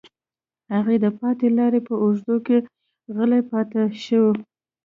هغه د پاتې لارې په اوږدو کې غلی پاتې شو